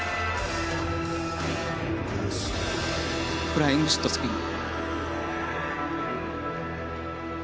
フライングシットスピン。